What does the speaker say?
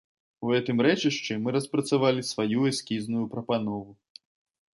У гэтым рэчышчы мы распрацавалі сваю эскізную прапанову.